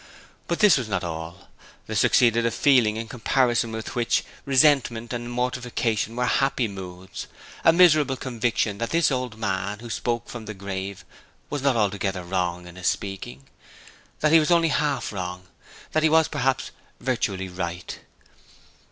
But this was not all. There succeeded a feeling in comparison with which resentment and mortification were happy moods a miserable conviction that this old man who spoke from the grave was not altogether wrong in his speaking; that he was only half wrong; that he was, perhaps, virtually right.